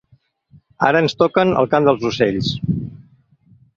Ara ens toquen el cant dels ocells.